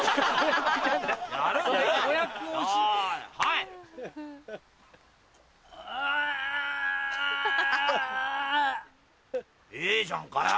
いいじゃんかよ！